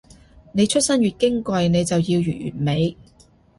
你出身越矜貴，你就要越完美